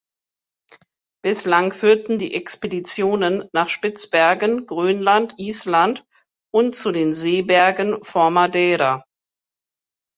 Bislang führten die Expeditionen nach Spitzbergen, Grönland, Island und zu den Seebergen vor Madeira.